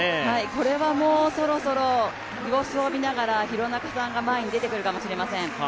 これはもうそろそろ様子を見ながら廣中さんが前に出てくるかもしれません。